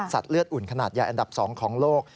สัตว์เลือดอุ่นขนาดยายอันดับ๒ของโลก